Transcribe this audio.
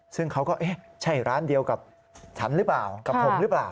ซึ่งเขาก็เอ๊ะใช่ร้านเดียวกับฉันหรือเปล่ากับผมหรือเปล่า